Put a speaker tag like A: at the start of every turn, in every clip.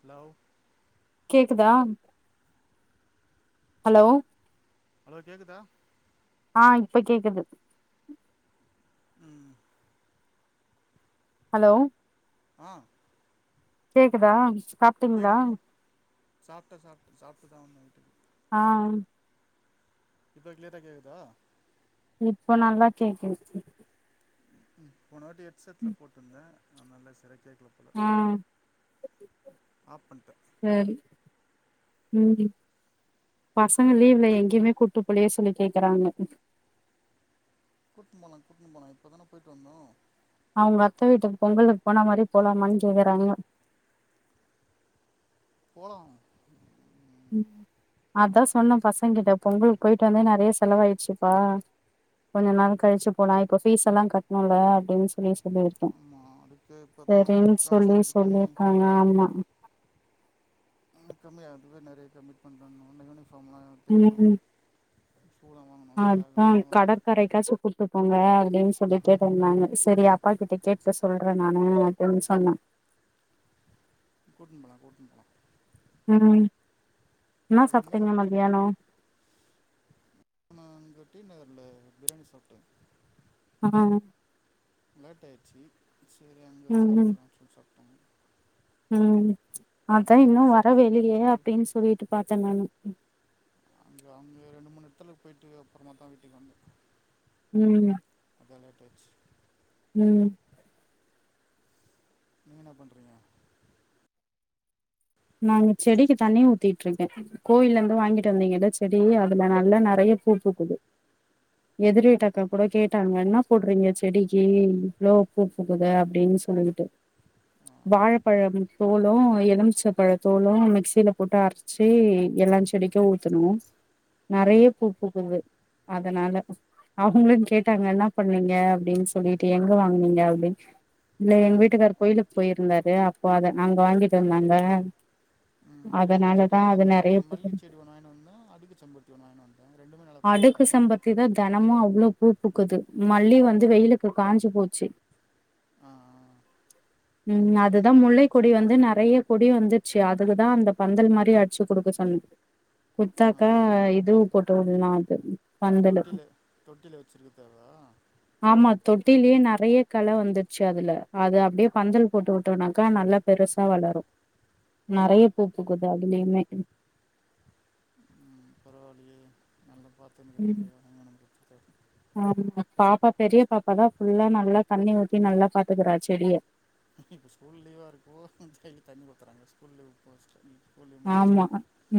A: Hello
B: கேக்குதா hello
A: hello கேக்குதா
B: ஆ இப்ப கேக்குது
A: ம்
B: ஹலோ
A: ஆ
B: கேக்குதா சாப்ட்டீங்களா
A: சாப்ட்டே சாப் சாப்ட்டுதா வந்தே வீட்டுக்கு
B: ஆ
A: இப்போ கிளீயரா கேக்குதா
B: இப்ப நல்லா கேக்குது
A: போன வாட்டி ஹெட்செட்ல போட்ருந்தே அதனால சரியா கேக்கல சொல
B: ஆ
A: ஆப் பண்ட்டே
B: சேரி ம் பசங்க லீவ்ல எங்கேயுமே கூட்டு போலியே சொல்லி கேட்குறாங்க
A: கூட்னு போலாம் கூட்னு போலாம் இப்போ தானே போயிட்டு வந்தோ
B: அவங்க அத்தை வீட்டுக்கு பொங்கலுக்கு போன மாதிரி போலாமான்னு கேக்றாங்க
A: போலாம்
B: அதான் சொன்னே பசங்கிட்ட பொங்கலுக்கு போயிட்டு வந்தே நெறைய செலவாயிச்சிப்பா கொஞ்ச நாள் கழிச்சி போலா இப்போ ஃபீஸ் எல்லாம் கட்னோல்ல அப்படின்னு சொல்லி
A: ஆமா அதுக்கு இப்பதா
B: சரின்னு
A: காச
B: சொல்லி
A: ரெடி பண்ணி
B: சொல்லிருக்காங்க அம்மா
A: இன்னும் கம்மியா இதுவே நறைய கம்மி பண்றாங் இன்னு யூனிஃபாம்லா தைக்கணு
B: ம்
A: பூவெல்லா வாங்கணும்ல்ல பேக்கெல்லாம் வாங்கணும்
B: கரெக்டா ஸ்குலுகுட்டு போங்க அப்படின் சொல்லி கேட்டுருந்தாங்க சரி அப்பா கிட்ட கேட்க சொல்றே நானு [unintelligible] சொன்னா
A: கூட்னு போலாம் கூட்னு போலாம்
B: ம் என்ன சாப்ட்டீங்க
A: எதுமேயில்ல தங்கோ
B: மத்தியானோ
A: இப்ப நா அங்க டி நகர்ல பிரியாணி சாப்ட்டே
B: ஆ
A: லேட்டு ஆயிருச்சி சரி அங்கே
B: ம் ம்
A: சாப்டுல்லாம் சொல்லி சாப்டோ
B: ம் அதா இன்னும்
A: பாரிஸ் போயிட்டு
B: வரவேல்லியே அப்டின்னு சொல்லிட்டு பாத்தே நானும்
A: அங்கே அங்கே ரெண்டு மூணு எடத்துல போயிட்டு அப்புறமா தா வீட்டுக்கு வந்தே
B: ம்
A: அதான் லேட் ஆயிட்சி
B: ம்
A: நீங்க என்ன பண்றீங்க
B: நா இங்க செடிக்கு தண்ணி ஊத்திட்டு இருக்கே கோயில்ல இருந்து வாங்கிட்டு வந்திங்கல்ல செடி அதுல நல்லா நறைய பூ பூக்குது எதிர் வீட்டு அக்கா கூட கேட்டாங்க என்ன போட்றீங்க செடிக்கு இவ்ளோ பூ பூக்குது அப்டீன் சொல்லிட்டு
A: ஆ
B: வாழப்பழம் தோலும் எலுமிச்ச பழதோலும் மிக்சியில போட்டு அரைச்சி எல்லா செடிக்கும் ஊத்துனும்
A: ஆ
B: நிறைய பூ பூக்குது அதனால அவுங்களு கேட்டாங்க என்ன பண்ணிங்க அப்படின்னு சொல்லிட்டு எங்க வாங்னிங்க அப்டினு இல்ல எங்க
A: ம்
B: வீட்டுக்காரு கோயிலுக்கு போயிருந்தாரு அப்போ அத அங்க வாங்கிட்டு வந்தாங்க
A: ரெண்டு செடி
B: அதனாலதா
A: வாங்கி
B: அது
A: வந்தேனே மல்லி
B: நெறைய
A: மல்லி
B: பூக்குது
A: செடி ஒன்னு வாங்கினு வந்தே அடுக்கு செம்பருத்தி ஒன்னு வந்தே ரெண்டுமே நல்லா பூக்குதா
B: அடுக்கு செம்பருத்தி தா தெனமும் அவ்ளோ பூ பூக்குது மல்லி வந்து வெயிலுக்கு காஞ்சி போச்சி
A: ஆ ஆ. தண்ணி
B: ம்
A: ஊற்றாம
B: அதுதா
A: காஞ்சு போச்சு
B: முல்லைக்கொடி வந்து நறைய பொடி வந்துச்சு அதுக்குதா அந்த பந்தல் மாரி அட்ச்சு குடுக்க சொன்
A: ஆ
B: குத்தாக்கா இது போட்டு உட்லா அது பந்தலு
A: தொட்டிலு தொட்டிலு வச்சிருக்குது அதா
B: ஆமா தொட்டில்லே நெறய கெள வந்துருச்சு அதுல அது அப்டியே பந்தல் போட்டு விட்டோனாக்கா நல்லா பெருசா வளரு நெறய பூ பூக்குது அதுலயுமே
A: ம் பரவால்லியே நல்லா பாத்துன்னக்கிறீங்களே உரங்கிரோ குடுத்து
B: ஆமா பாப்பா பெரிய பாப்பா தா ஃபுல்லா நல்லா தண்ணி ஊத்தி நல்லா பாத்துக்கறா செடிய
A: இப்போ ஸ்கூல் லீவ இருக்கோ டெய்லி தண்ணி ஊத்துறாங்க ஸ்கூல் லீவு போ
B: ஆமா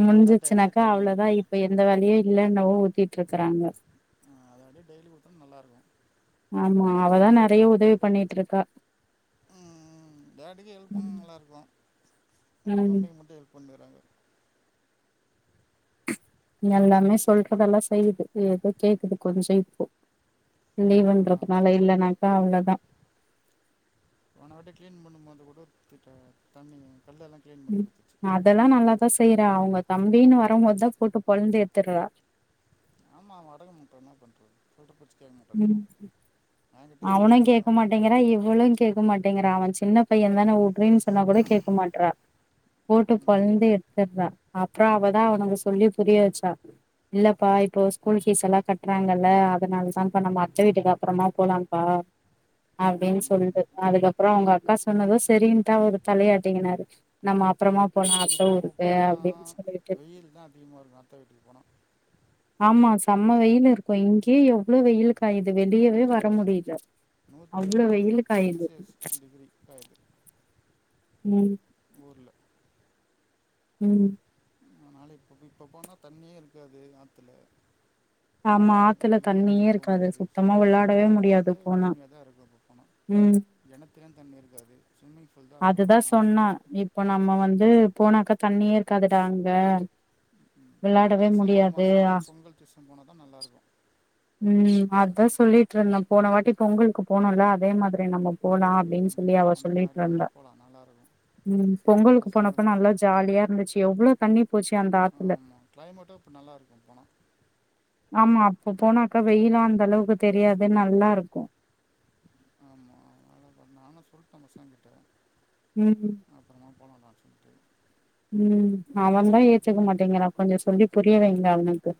B: முஞ்சுச்சுனாக்கா
A: கண்டுக்க
B: அவ்ளோதா
A: மாட்டாங்க
B: இப்ப எந்த வேலயு இல்லைன்னவோ ஊத்திட்ருக்கறாங்க
A: ஆ அத அப்டி டெய்லி ஊத்துனா நல்லாருக்கு
B: ஆமா அவதா நெறய உதவி பண்ணிட்ருக்கா
A: ம் டேடிக்கு ஹெல்ப் பண்ணா நல்லா இருக்கு
B: ம்
A: மம்மிக்கு மட்டு ஹெல்ப் பண்ணிகாறாங்கோ
B: எல்லாமே சொல்றதெல்லா செய்யுது ஏதோ கேக்குது கொஞ்ச இப்போ
A: ஆமாம்
B: லீவுன்றதுனால
A: ஆமாம்
B: இல்லனாக்கா அவ்ளதா
A: போன வாட்டி கிளீன் பண்ணும் போது கூட கிட்ட தண்ணி கல் எல்லா
B: ம் அதெல்லா நல்லாதா செய்யறா அவங்க தம்பின்னு வரும்போது தா போட்டு பொழந்து எடுத்துறா
A: ஆமா வடகம் இப்ப என்ன பண்றது சொல்ற பேச்சு கேக்க
B: ம்
A: மாட்டேன்றா மேம் கிட்ட செம அடி வாங்குறா இன்னு
B: கேட்க மாட்டிங்கிறா அவ சின்ன பையந்தான உட் அப்டின் சொன்னா கூட கேக்க மாட்றா போட்டு
A: ம்,
B: பொழந்து எடுத்துறா அப் அப்புறோ அவதா அவனுக்கு சொல்லி புரியவச்சா இல்லப்பா இப்போ ஸ்கூல் பீஸ் எல்லாம் கட்றாங்கல்ல அதனால தான் இப்ப நம்ம அத்த வீட்டுக்கு அப்புறமா போலாம்பா அப்படின்
A: ம்.
B: சொல்லுது அதுக்கப்புறோ அவங்க அத் அக்கா சொன்னதோ சரின்டு அவரு தலைய ஆட்டகினாரு நம்ம அப் அப்புறமா போலா அத்த
A: இப்போ
B: ஊருக்கு அப்டின்
A: போனால்
B: சொல்லிட்டு
A: வெயில் தான் அதிகமாக இருக்கு அத்த வீட்டுக்கு போனா
B: ஆமா செம்ம வெயில் இருக்கு இங்யே எவ்ளோ வெயிலு காயுது வெளியவே வர முடில
A: நூற்றி எட்டு டி செல்சியஸ் டிகிரி காயிது
B: ம்
A: ஊர்ல
B: ம்
A: நா நாளைக் இப்ப இப்ப போனா தண்ணியே இருக்காது ஆத்துல
B: ஆமா ஆத்துல
A: வெளியே
B: தண்ணியே
A: எங்கயு போ
B: இருக்காது
A: முடியாது
B: சுத்தமா
A: சுத்தி
B: வெளாடவே முடியாது
A: வறண்ட
B: போனா
A: பூமியாதா இருக்கு இப்ப போனா
B: ம்
A: கெணத்லயு தண்ணி இருக்காது ஸ்விம்மிங் பூல் தா இருக்கு
B: அதுதா
A: அங்கே
B: சொன்னா இப்போ நம்ம வந்து போனாக்கா தண்ணியே இருக்காதுடா அங்க
A: ம் அங்கலா
B: வெளாடவே
A: டிசம்பர்
B: முடியாது
A: மாசோ
B: ஆ,
A: பொங்கல் சீசன் போன தா நல்லா இருக்கு
B: ம் அதா சொல்லிட்ருந்தே போன வாட்டி பொங்கலுக்கு போனோல்ல அதே மாரி நம்ம போலா அப்படின் சொல்லி
A: ம்,
B: அவ
A: அந்த மாதிரி
B: சொல்லிட்ருந்தா
A: வேணால் போகலாம் நல்லாயிருக்கும்
B: ம் பொங்கலுக்கு போனப்ப
A: பசங்களுக்கு
B: நல்லா ஜாலியா இருந்துச்சு எவ்ளோ தண்ணி போச்சு அந்
A: ஆமா கிளைமேட்டோ இப்ப நல்லா இருக்கும் போனா
B: ஆமா அப்ப போனாக்கா வெயிலு அந்த அளவுக்கு தெரியாது நல்லா இருக்கு
A: ஆமா அதனால நானு சொல்ட்டே பசங்ககிட்ட
B: ம்ம்
A: அப்புறமா போலன்டானு சொல்ட்டு
B: ம் அவன்தா ஏத்துக்க மாட்டேங்குறா கொஞ்சோ சொல்லி புரிய வைங்க அவனுக்கு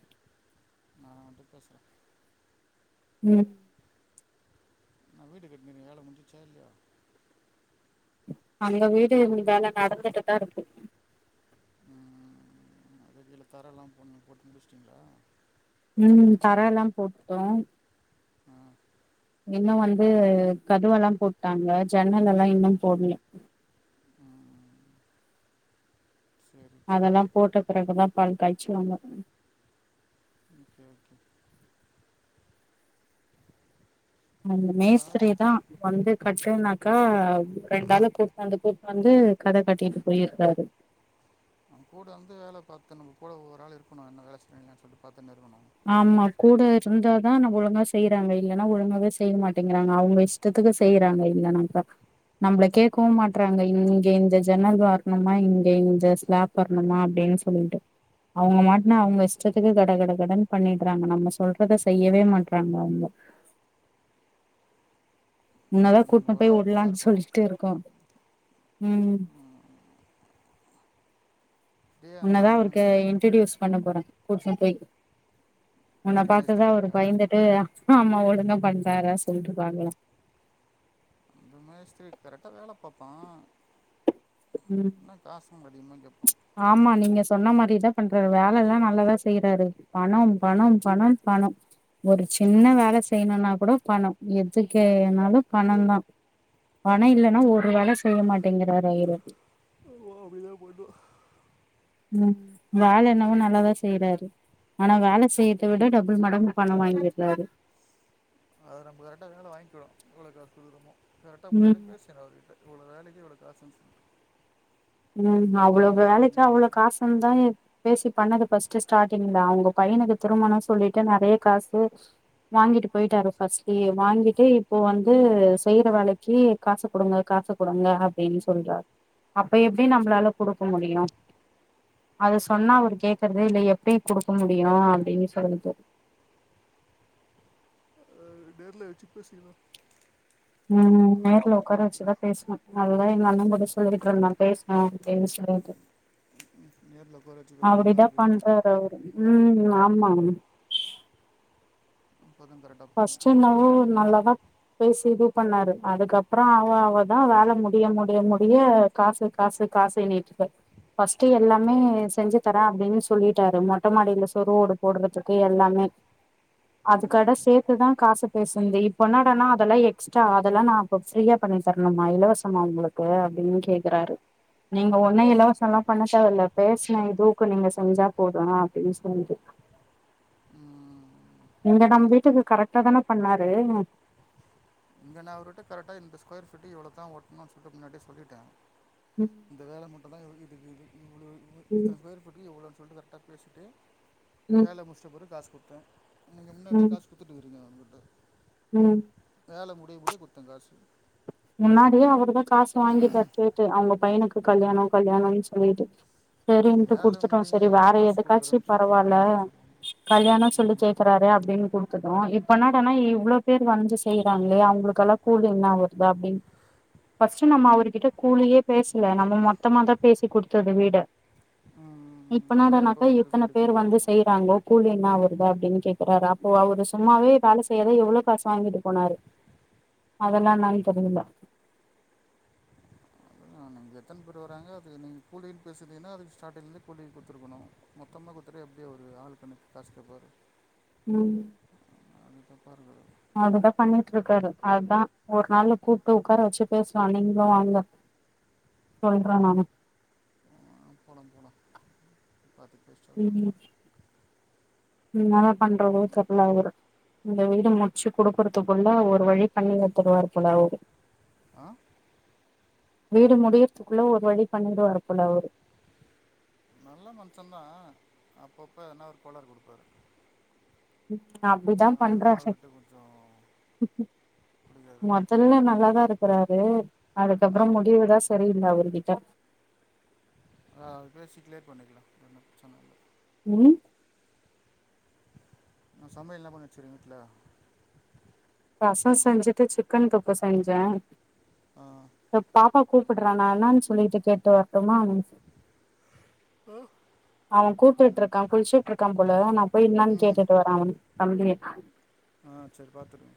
A: நா அவன்ட்ட பேசுறே
B: ம்
A: என்னா வீடு கட்னினீயே வேல முடிஞ்சுச்சா இல்யா
B: அந்த வீடு வேல நடந்துட்டுதாருக்கு
A: ம் அது கீழ தரலாம் போடனு போட்டு முடிச்ட்டீங்களா
B: ம் தரலாம் போட்டுடோம்
A: ம்
B: இன்னு வந்து கதவெல்லா போட்டாங்க ஜன்னல் எல்லா இன்னும் போட்ல
A: ம் சரி சரி
B: அதெல்லா போட்ட பிறகுதா பால் காய்ச்சுவாங்க
A: ம் ஓகே ஓகே
B: அந்த
A: இப்போ காரு
B: மேஸ்திரி தா வந்து கட்டுனாக்கா ரெண்டு ஆள கூட்னு வந்து கூட்னு வந்து கட கட்டிட்டு போயிருக்காரு
A: நம் கூட வந்து வேல பாத்து நம்ம கூட ஒவ்ஒரு ஆள் இருக்கணு என் வேல சொய்றாங்கனு சொல்லிட்டு பாத்துனு இருக்கணு
B: ஆமா கூட இருந்தாதா நம்ம ஒழுங்கா செய்றாங்க இல்லன்னா ஒழுங்காவே செய்ய மாட்டேங்கிறாங்க அவுங்க இஷ் [unintelligible] செய்றாங்க இல்லனா பத் நம்மள கேட்கவு மாட்றாங்க இங்க இந்த ஜன்னல் வரணுமா இங்க இந்த ஸ்லாப் வரணுமா அப்டின்னு சொல்லிட்டு அவங்க மாட்டுனா அவங்க இஷ்டத்துக்கு கட கட கடன்னு பண்ணிட்றாங்க நம்ம சொல்றத செய்யவே மாட்றாங்க அவுங்க உன்னதா
A: அது நம்ம
B: கூப்ட்னு
A: ஒரு
B: போயி
A: ஆள் கூட
B: உட்லான்னு
A: இருக்கணும்
B: சொல்டு இருக்கோ உம்
A: அப்படியே
B: உன்னதா
A: நான்
B: அவருக்கு இன்ரட்டியூஸ் பண்ண போறே கூப்டுனு போய் உன்ன
A: அந்த
B: பாத்துதா அவரு
A: மேஸ்திரிக்கா
B: பயந்துட்டு ஆமா ஒழுங்கா பண்றார சொல்லிட்டுரு பாக்ளாம்
A: இந்த மெஸ்த்ரீ கரெக்டா வேல பாப்பா
B: ம்
A: ஆனா காசும் அதிகமா கேப்பா
B: ஆமா நீங்க சொன்ன மாரிதா பண்றாரு வேலலா நல்லதா செய்றாரு பணம் பணம் பணம் பணம் ஒரு சின்ன வேல செய்ணுனா கூட பணோ எதுக்குனாலு பணோந் தா பணம்
A: அப்படி
B: இல்லன்னா ஒரு
A: தான்
B: வேல செய்ய மாட்டேங்கிறாரு அவரு
A: [unintelligible]
B: ம் வேல என்னவோ நல்லாதா செய்றாரு ஆனா வேல செய்றத விட டபுள் மடங்கு பணம் வாங்கிடுறாறு
A: அத நம்ம கரெக்டா வாங்கிவோ எவ்ளோ காசு குடுக்றோமோ கரெக்டா
B: ம்
A: முன்னாடியே பேசி [unintelligible] இவ்ளோ வேலைக்கி இவ்ளோ காசுனு சொல்லி
B: ம் அவ்ளோ
A: வேலையை
B: வேலைக்கு அவ்வளோ
A: முடிச்சிட்டு
B: காசுந்தாயே பேசி பண்ணது ஃபர்ஸ்ட்டு ஸ்டார்டிங்தா அவுங்க பையனுக்கு திருமணோ சொல்ட்டு நெறைய காசு வாங்கிட்டு போயிட்டாரு ஃபர்ஸ்ட்லயே வாங்கிட்டு இப்போ வந்து செய்ற வேலைக்கி காசு குடுங்க காசு குடுங்க அப்டின்னு சொல்றாரு இப்ப எப்டி நம்ளால குடுக்க முடியு அது சொன்னா அவர் கேக்குறதே இல்ல எப்டி குடுக்க முடியு அப்டின்னு சொல்லிட்டு
A: ஒ டேர்ல வச்சு பேசிக்குவோ
B: ம் நேர்ல உக்கார வெச்சுதா பேஸ்னு அதுதா எங்க அண்ணே கூட சொல்லிகிட்டுருந்தா பேஸ்னு அப்டின்டு சொல்லிட்டு
A: நேர்ல உக்கார வேச்சு பேசுனா தா
B: அப்டிதா
A: அவருக்கு
B: பண்றாரு ம் ஆமாம்
A: [unintelligible]
B: ஃபர்ஸ்டு என்னவோ நல்லா தா பேசி இது பண்ணாரு அதுக்கப்பறோ அவ அவதா வேல முடிய முடிய முடிய காசு காசு காசு என்னீட்ருக்க ஃபர்ஸ்ட்டு எல்லாமே செஞ்சு தர அப்படின் சொல்லிட்டாரு மொட்ட மாடியில சொரு ஓடு போடுறதுக்கு எல்லாமே அதுக்கட
A: ம்,
B: சேர்த் அதுதா காசு பேஸ்னென்து இப்போ என்னடனா அதெல்லா எக்ஸ்ட்ரா அதெல்லா நா இப்ப ஃப்ரீயா பண்ணி தரணுமா இலவசமா அவுங்ளுக்கு ப்போ அப்டின் கேக்குறாரு நீங்க ஒன்னு இலவசல்லா பண்ண தேவல்ல பேசின இதுவுக்கு நீங்க செஞ்சா போது அப்டின் சொல்லிட்டு
A: ம்.
B: இங்க நம் வீட்டுக்கு கரெக்ட்டா தான பண்ணாரு
A: இங்க நா அவுருட்ட கரெக்டா இந்த ஸ்கொயர்ஃபீட்டு இவ்ளோ தா ஒட்னோ சொல்ட்டு முன்னாடி சொல்லிட்ட
B: ம்
A: இந்த வேல மட்டும் தா இதுக் இதுக் இ
B: ம்
A: இத்தன பேரு துட்டு எவ்ளோன் சொல்ட்டு கர்ட்டா பேசிட்டு
B: ம்
A: வேல முஷ்ட்ட பிற காசு குத்த நீங்க முன்னாடி
B: ம்
A: காஸ் குத்துட்டுக்குறீங்க அங்குட்டு
B: ம்
A: வேல முடிய முடிய குத்தங்காசு
B: முன்னாடியே அவருதா காசு வாங்கி கட்டுட்டு அவங்க பையனுக்கு கல்யாணம் கல்யாணம்னு சொல்லிட்டு சரின்ட்டு
A: வேல
B: குடுத்துட்டோ
A: முடிங்க
B: சரி
A: நா
B: வேற
A: காசு
B: எதுக்காச்சு
A: குடுக்குறேன்னு சொல்ட்டு
B: பரவால்ல
A: முடிச்சிருவாங்க
B: கல்யாணம் சொல்லி
A: ம்
B: கேக்குறாரு அப்டின்ட்டும் க்குற்தும் இப்ப என்னடானா இவ்ளோ பேர் வஞ்சு செய்றாங்ளே அவுங்ளுக்கெல்லா கூலி இன்னா வருது அப்டின் ஃபர்ஸ்ட்டு நம்ம அவுருகிட்ட கூலியே பேசல நம்ப மொத்தமா தா பேசி குடுத்தது வீட
A: ம்
B: இப்பனா அத
A: அப்பயே இப்போ
B: நக
A: வந்து
B: எத்தன
A: கூலி
B: பேர்
A: கேக்குறாங்க
B: வந்து செய்றாங்கோ கூலி இன்னா வருது அப்டின் கேக்குறாரு அப்போ அவுரு சும்மாவே வேல செய்யாதே எவ்ளோ காசு வாங்கிட்டு போனாரு அதுலா இன்னான் தெரியில
A: ஆமாங் நீங்க எத்தன் பேர் வராங்க அது நீங்க கூலின் பேசிந்தீங்கன்னா அது ஸ்டார்டிங்ளே கூலி குடுத்துருக்கணு மொத்தமா குத்துட்டு அப்டியே ஒரு ஆளு கணக் காஸ் கேப்பாரு
B: ம்
A: அது தப்பா இருக்குறது
B: அதுதா பண்ணிட்ருக்காரு அதா ஒரு நாள்ல கூப்ட்டு உக்கார வச்சு பேசலா நீங்ளும் வாங்க சொல்ற நானு
A: ஆ போலாம் போலாம்
B: ம் ம் இன்னாங்க பண்றது செட்லாயிரு இந்த வீடு முச்சு குடுக்கறதுக்குள்ள ஒரு வழி பண்ணிவுத்துருவாரு போல அவுரு
A: அ
B: வீடு முடியற்த்துக்குள்ள ஒரு வழி பண்ணிடுவாரு போல அவுரு
A: நல்ல மனுஷ தா அப்பப்ப என்ன அவரு கோளார் குடுப்பாரு
B: அப்டிதா பண்ற
A: அதுதா அவர்கிட்ட கொஞ்சோ புடிக்காது
B: நாப் தெல்லா நல்லாதா இருக்கறாரு
A: ஆ
B: அதுக்கப்றம் முடிவு தா சரியில்ல அவுருகிட்ட
A: ஆ பேசிக்ளே பண்ணிக்லா ஒன்னும் பிரச்சன இல்ல
B: ம்
A: நா சமையெல்லா பண்ண வச்சுருவே வீட்ல
B: ரசம் செஞ்சுட்டு சிக்கன் தொக்க செஞ்சேன்
A: ஆ
B: கூப்பிட்ற நா இன்னான் சொல்லிக்கிட்டு கேட்டு அப்றமா
A: ஆ
B: அவ கூப்டுட்டு இருக்கா குளிச்சுட்டு இருக்கா போல நா போய் கேட்டுட்டு என்னான்
A: ம்
B: கேட்டுட்டு வரேன் அவன் தம்பி
A: ஆ சரி பாத்துருங்க